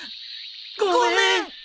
ごめん！